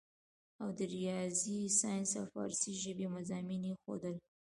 او د رياضي سائنس او فارسي ژبې مضامين ئې ښودل